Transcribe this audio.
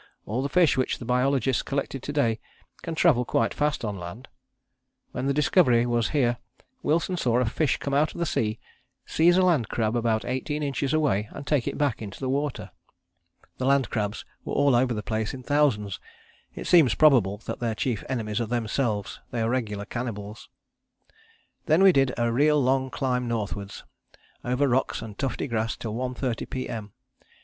All the fish which the biologist collected to day can travel quite fast on land. When the Discovery was here Wilson saw a fish come out of the sea, seize a land crab about eighteen inches away and take it back into the water. "The land crabs were all over the place in thousands; it seems probable that their chief enemies are themselves. They are regular cannibals. "Then we did a real long climb northwards, over rocks and tufty grass till 1.30 P.M.